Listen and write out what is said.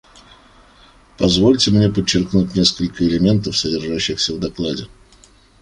Позвольте мне подчеркнуть несколько элементов, содержащихся в докладе.